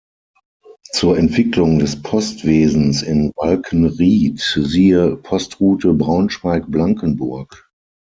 Zur Entwicklung des Postwesens in Walkenried siehe: Postroute Braunschweig–Blankenburg.